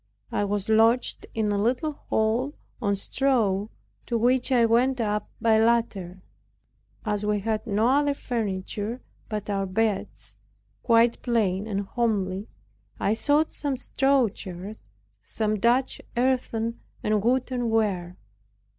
I was lodged in a little hole on straw, to which I went up by ladder. As we had no other furniture but our beds, quite plain and homely, I brought some straw chairs and some Dutch earthen and wooden ware.